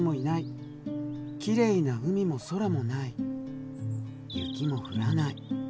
きれいな海も空もない雪も降らない。